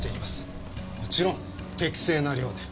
もちろん適正な量で。